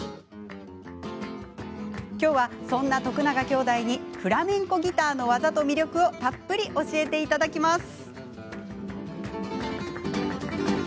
今日は、そんな徳永兄弟にフラメンコギターの技と魅力をたっぷり教えていただきます。